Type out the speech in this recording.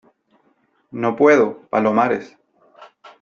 no puedo , Palomares .